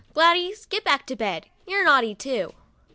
Gladys, get back to bed. You are naughty, too.'